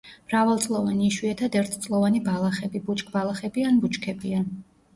მრავალწლოვანი, იშვიათად ერთწლოვანი ბალახები, ბუჩქბალახები ან ბუჩქებია.